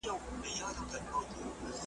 ښوروا په اوړي کي نه یخیږي.